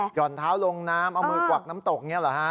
ห่อนเท้าลงน้ำเอามือกวักน้ำตกอย่างนี้เหรอฮะ